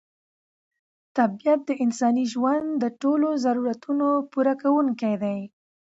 طبیعت د انساني ژوند د ټولو ضرورتونو پوره کوونکی دی.